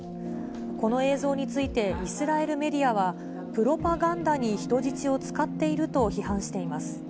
この映像について、イスラエルメディアは、プロパガンダに人質を使っていると批判しています。